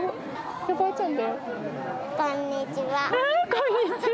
こんにちは。